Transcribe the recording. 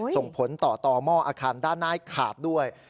ส่งผลต่อต่อหม้ออาคารด้านหน้าขาดด้วย